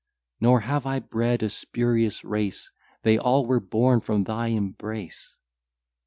Nor have I bred a spurious race; They all were born from thy embrace.